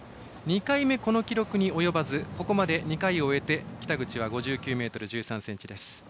２回目、この記録に及ばずここまで２回を終えて北口は５９ｍ１３ｃｍです。